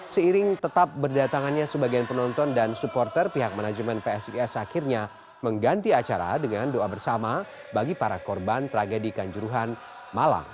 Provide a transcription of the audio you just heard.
seiring tetap berdatangannya sebagian penonton dan supporter pihak manajemen psis akhirnya mengganti acara dengan doa bersama bagi para korban tragedi kanjuruhan malang